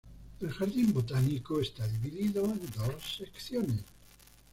El jardín botánico está dividido en dos secciones.